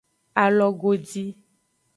Alogodi.